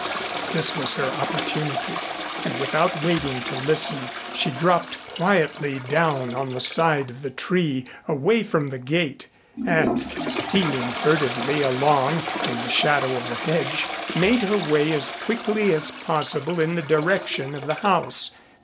This was her opportunity, and without waiting to listen she dropped quietly down on the side of the tree away from the gate and, stealing furtively along in the shadow of the hedge, made her way as quickly as possible in the direction of the house.